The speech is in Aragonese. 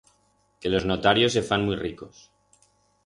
Que los notarios se fan muit ricos.